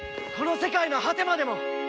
この世界の果てまでも！